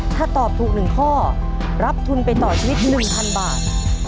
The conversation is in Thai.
ถ้าตอบถูก๑ข้อรับทุนไปต่อชีวิต๑๐๐๐บาท